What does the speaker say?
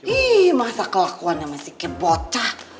ih masa kelakuannya masih kebocah